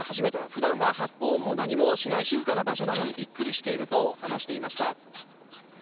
ふだんは発砲音も何もしない静かな場所なのにびっくりしていると話していました。